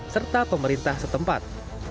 serta pemerintah setempat